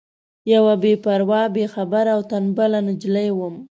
یوه بې پروا بې خبره او تنبله نجلۍ وم.